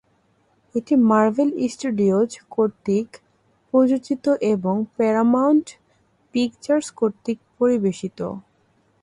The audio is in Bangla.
এটি মার্ভেল স্টুডিওজ কর্তৃক প্রযোজিত এবং প্যারামাউন্ট পিকচার্স কর্তৃক পরিবেশিত।